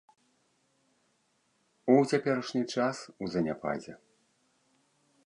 У цяперашні час у заняпадзе.